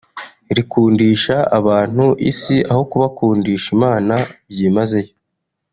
rikundisha abantu Isi aho kubakundisha Imana byimazeyo